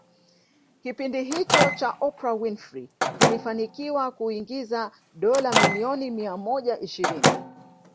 Kipindi hicho cha Oprah Winfrey kilifanikiwa kuingiza dola milioni mia moja ishirini